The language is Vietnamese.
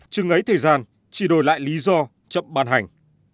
chừng ấy thời gian chỉ đổi lại lý do chậm ban hành